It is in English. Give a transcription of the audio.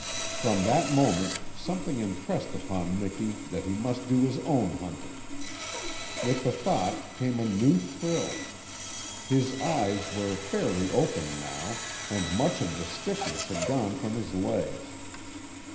From that moment something impressed upon Miki that he must do his own hunting. With the thought came a new thrill. His eyes were fairly open now, and much of the stiffness had gone from his legs.